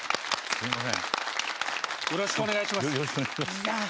よろしくお願いします。